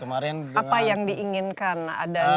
apa yang diinginkan adanya